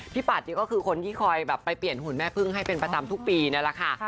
ปัดนี่ก็คือคนที่คอยแบบไปเปลี่ยนหุ่นแม่พึ่งให้เป็นประจำทุกปีนั่นแหละค่ะ